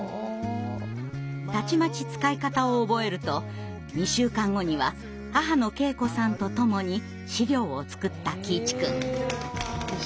たちまち使い方を覚えると２週間後には母の恵子さんとともに資料を作った喜一くん。